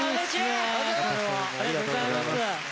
ありがとうございます。